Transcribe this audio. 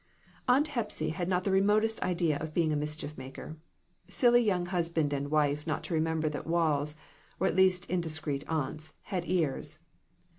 Aunt Hepsy had not the remotest idea of being a mischief maker. Silly young husband and wife not to remember that walls, or at least indiscreet aunts, had ears